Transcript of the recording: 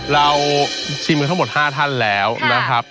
เราชิมกันทั้งหมด๕ท่านแล้วนะครับ